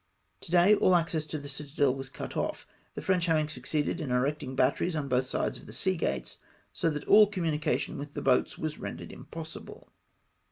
To day all access to the citadel was cut off, the French having succeeded in erecting batteries on both sides the sea gates, so that all communication with the boats was rendered impossible.